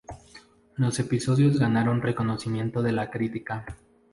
Los episodios ganaron reconocimiento de la crítica.